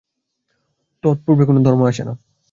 তৎপূর্বে কোন ধর্ম আসে না।